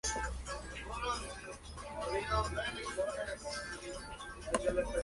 Además, vistió el maillot de la combinada varios días.